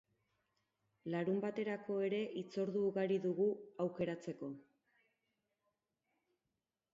Larunbaterako ere hitzordu ugari dugu aukeratzeko.